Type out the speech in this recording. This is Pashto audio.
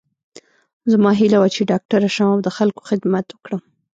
زما هیله وه چې ډاکټره شم او د خلکو خدمت وکړم